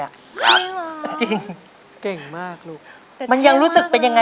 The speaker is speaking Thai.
จริงเหรอครับจริง